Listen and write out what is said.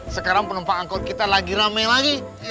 sekarang penumpang angkot kita lagi rame lagi